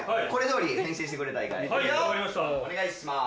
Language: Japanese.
お願いします。